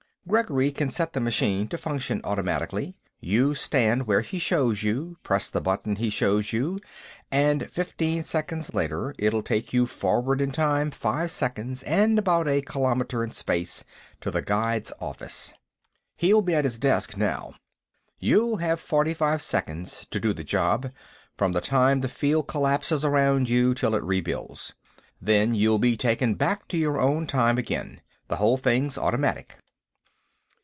Gregory can set the machine to function automatically. You stand where he shows you, press the button he shows you, and fifteen seconds later it'll take you forward in time five seconds and about a kilometer in space, to The Guide's office. He'll be at his desk now. You'll have forty five seconds to do the job, from the time the field collapses around you till it rebuilds. Then you'll be taken back to your own time again. The whole thing's automatic."